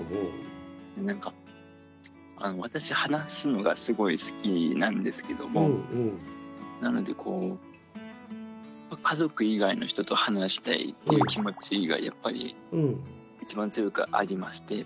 私話すのがすごい好きなんですけどもなのでこう家族以外の人と話したいっていう気持ちがやっぱり一番強くありまして。